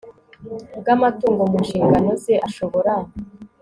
bw amatungo mu nshingano ze ashobora